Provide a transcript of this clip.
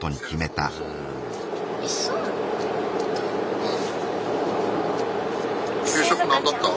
うん。